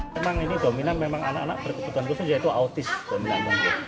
memang ini dominan memang anak anak berkebutuhan khusus yaitu autis dominan